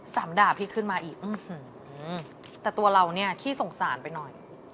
สามด่าพี่ขึ้นมาอีกแต่ตัวเราเนี่ยขี้สงสารไปหน่อย